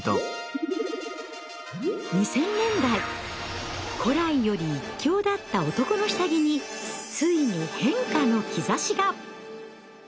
２０００年代古来より一強だった男の下着についに変化の兆しが。